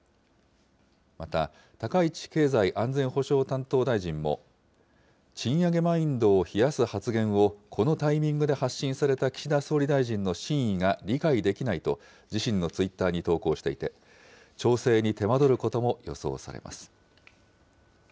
また、高市経済安全保障担当大臣も、賃上げマインドを冷やす発言をこのタイミングで発信された岸田総理大臣の真意が理解できないと、自身のツイッターに投稿していて、調整に手間取ることも予想されます。